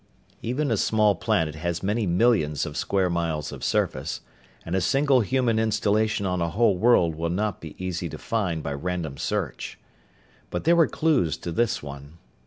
Even a small planet has many millions of square miles of surface, and a single human installation on a whole world will not be easy to find by random search. But there were clues to this one.